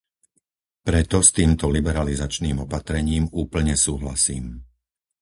Preto s týmto liberalizačným opatrením úplne súhlasím.